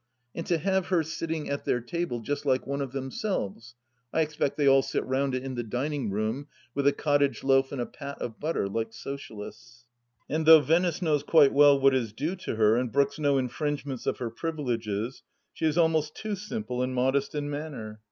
And to have her sitting at their table just like one of themselves ! (I expect they all sit round it in the dining room, with a cottage loaf and a pat of butter, like Socialists I) And though Venice knows quite well what is due to her, and brooks no infringements of her privileges, she is almost too simple and modest in manner.